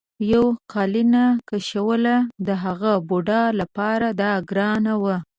یوه قالینه کشوله د هغه بوډا لپاره دا ګرانه وه.